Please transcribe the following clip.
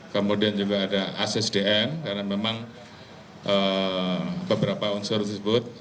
kemudian juga ada assdn karena memang beberapa unsur tersebut